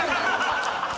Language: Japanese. ハハハハ！